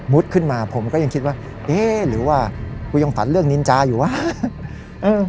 ขึ้นมาผมก็ยังคิดว่าเอ๊ะหรือว่ากูยังฝันเรื่องนินจาอยู่วะ